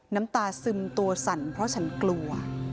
น้ำตาซึมตัวสั่นเพราะฉันกลัว